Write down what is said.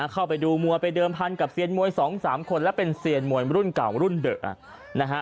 เข้าไปดูมัวไปเดิมพันธุ์กับเซียนมวยสองสามคนแล้วเป็นเซียนมวยรุ่นเก่ารุ่นเดอะ